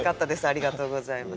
ありがとうございます。